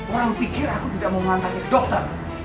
orang pikir aku tidak mau mengantarkannya ke dokter